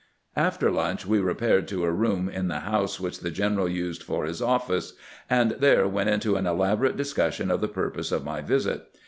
'" After lunch we repaired to a room in the house which the general used for his office, and there went into an elaborate discussion of the purpose of my visit.